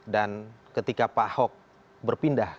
dan ketika pak ahok berpindah